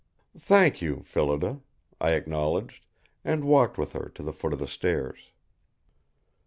"Thank you, Phillida," I acknowledged; and walked with her to the foot of the stairs.